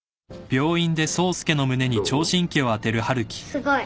すごい。